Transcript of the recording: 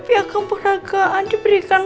kebagian dari piagam yang diberikan